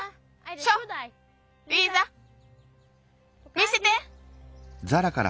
見せて！